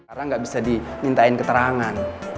sekarang gak bisa dimintain keterangan